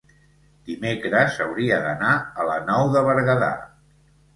dimecres hauria d'anar a la Nou de Berguedà.